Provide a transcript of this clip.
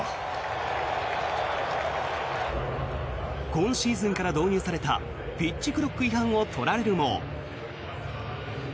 今シーズンから導入されたピッチクロック違反を取られるも。